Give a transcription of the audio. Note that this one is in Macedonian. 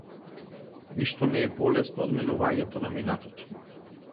Ништо не е полесно од менувањето на минатото.